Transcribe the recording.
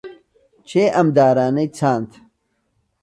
کێ ئەم دارانەی چاند؟